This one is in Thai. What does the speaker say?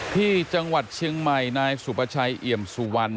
ที่จังหวัดเชียงใหม่นายสุประชัยเอี่ยมสุวรรณ